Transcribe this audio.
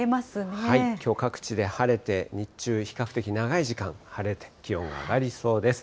きょう、各地で晴れて、日中、比較的長い時間、晴れて、気温が上がりそうです。